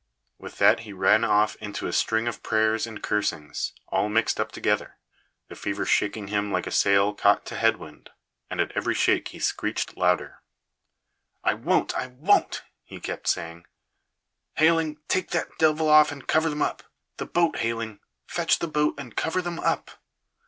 With that he ran off into a string of prayers and cursings, all mixed up together, the fever shaking him like a sail caught head to wind, and at every shake he screeched louder. "I won't, I won't!" he kept saying. "Hayling, take that devil off and cover them up. The boat, Hayling! Fetch the boat and cover them up!"